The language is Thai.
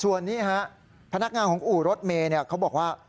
ส่วนนี้ฮะพนักงานของอู่รถเมย์เขาบอกว่า